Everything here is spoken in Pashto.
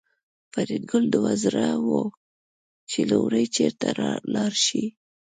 فریدګل دوه زړی و چې لومړی چېرته لاړ شي